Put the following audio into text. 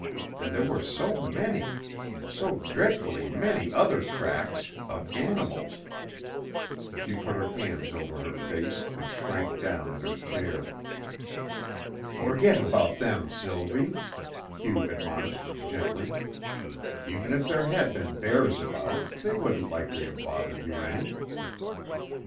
And there were so many so dreadfully many other tracks of animals " She put her hands over her face and shrank down in her chair. "Forget about them, Sylvie," Hugh admonished gently. "Even if there had been bears about, they wouldn't likely have bothered you any."